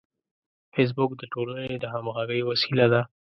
فېسبوک د ټولنې د همغږۍ وسیله ده